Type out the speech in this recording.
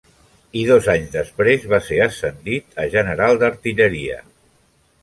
I dos anys després va ser ascendit a General d'Artilleria.